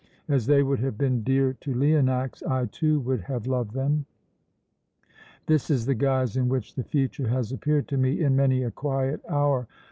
As they would have been dear to Leonax, I, too, would have loved them! This is the guise in which the future has appeared to me in many a quiet hour.